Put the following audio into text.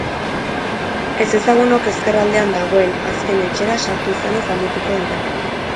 Ezezagunok ezker aldean dagoen azken etxera sartu izanaz damutuko dira.